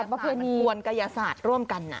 บุญกรยาศาสตร์มันกวนกรยาศาสตร์ร่วมกันน่ะ